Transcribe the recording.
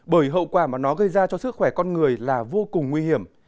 bởi hậu quả mà nó gây ra cho sức khỏe con người là vô cùng nguy hiểm